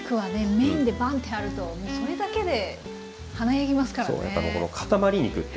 メインでバンッてあるともうそれだけで華やぎますからね。